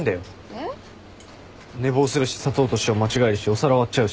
えっ？寝坊するし砂糖と塩間違えるしお皿割っちゃうし。